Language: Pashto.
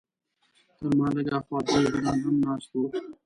تر ما لږ هاخوا دوه یهودان هم ناست وو.